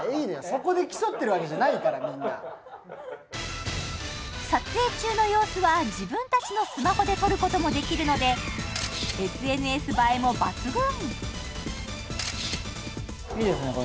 そこで競ってるわけじゃないからみんな撮影中の様子は自分たちのスマホで撮ることもできるのでＳＮＳ映えも抜群！